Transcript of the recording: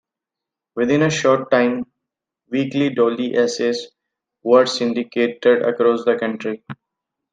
Within a short time, weekly Dooley essays were syndicated across the country.